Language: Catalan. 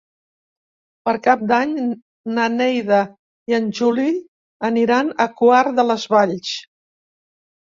Per Cap d'Any na Neida i en Juli aniran a Quart de les Valls.